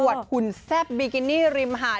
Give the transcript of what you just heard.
อเวิดหุ่นสิปบีกินี่ริมหาด